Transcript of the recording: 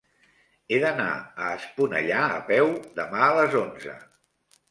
He d'anar a Esponellà a peu demà a les onze.